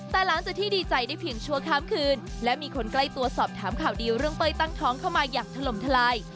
แต่หลังจากที่ดีใจได้เพียงชั่วข้ามคืนและมีคนใกล้ตัวสอบถามข่าวดีเรื่องเป้ยตั้งท้องเข้ามาอย่างถล่มทลาย